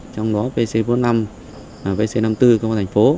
trong đó vc bốn mươi năm vc năm mươi bốn công an thành phố